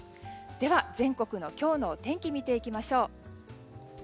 では、全国の今日のお天気を見てみましょう。